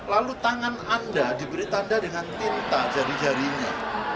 lalu tangan anda diberi tanda dengan tinta jari jarinya